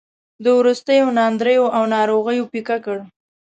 د وروستیو ناندریو او ناروغیو پېکه کړ.